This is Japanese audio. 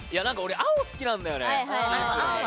青好きなんだよね。